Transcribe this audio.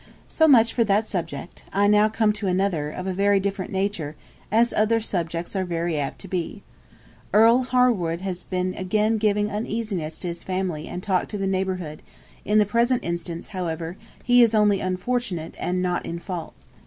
So much for that subject; I now come to another, of a very different nature, as other subjects are very apt to be. Earle Harwood has been again giving uneasiness to his family and talk to the neighbourhood; in the present instance, however, he is only unfortunate, and not in fault.